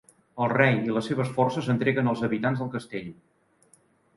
El rei i les seves forces entreguen els habitants del castell.